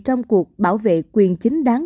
trong cuộc bảo vệ quyền chính đáng